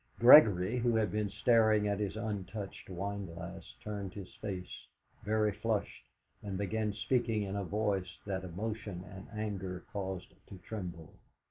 Gregory, who had been staring at his untouched wineglass, turned his face, very flushed, and began speaking in a voice that emotion and anger caused to tremble.